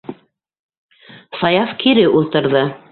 - Саяф кире ултырҙы.